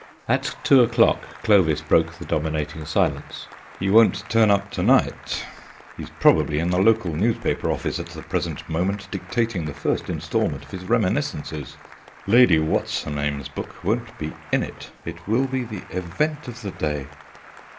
At two o'clock Clovis broke the dominating silence. "He won't turn up to night. He's probably in the local newspaper office at the present moment, dictating the first instalment of his reminiscences. Lady What's her name's book won't be in it. It will be the event of the day."